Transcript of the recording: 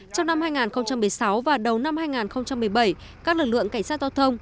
trong năm hai nghìn một mươi sáu và đầu năm hai nghìn một mươi bảy các lực lượng cảnh sát giao thông